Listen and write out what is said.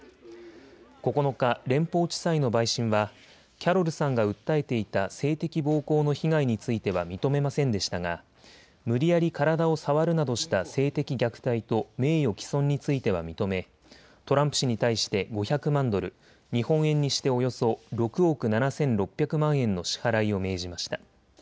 ９日、連邦地裁の陪審はキャロルさんが訴えていた性的暴行の被害については認めませんでしたが無理やり体を触るなどした性的虐待と名誉毀損については認めトランプ氏に対して５００万ドル、日本円にしておよそ６億７６００万円の支払いを命じました。